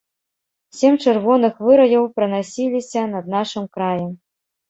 Сем чырвоных выраяў пранасіліся над нашым краем.